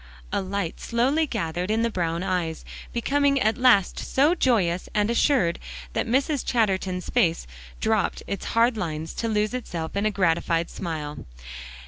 A light slowly gathered in the brown eyes, becoming at last so joyous and assured, that Mrs. Chatterton's face dropped its hard lines, to lose itself in a gratified smile.